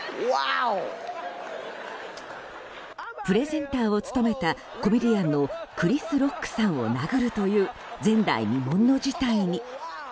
プレゼンターを務めたコメディアンのクリス・ロックさんを殴るという前代未聞の事態に。